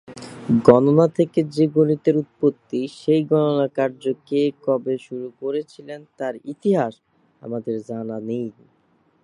গণনা থেকে যে গণিতের উৎপত্তি সেই গণনা কার্য কে কবে শুরু করেছিলেন তার ইতিহাস আমাদের জানা নেই।